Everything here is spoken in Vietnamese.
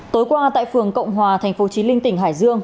tối qua tại phường cộng hòa tp chí linh tỉnh hải dương